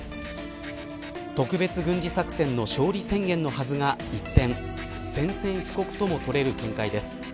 特別軍事作戦の勝利宣言のはずが一転宣戦布告とも取れる見解です。